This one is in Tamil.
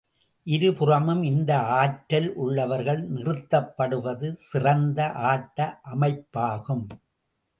இருபுறமும் இந்த ஆற்றல் உள்ளவர்கள் நிறுத்தப்படுவது சிறந்த ஆட்ட அமைப்பாகும்.